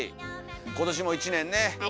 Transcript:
今年も１年ね。